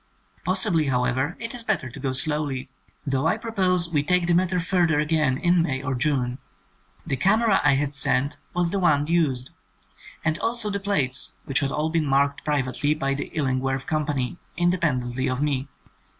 Possibly, however, it is better to go slowly — though I propose we take the matter further again in May or June. The camera I had sent was the one used, and also the plates (which had all been marked privately by the Illingworth Co., independently of me).